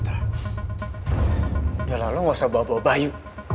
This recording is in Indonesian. baiklah kau tidak perlu membawa bayu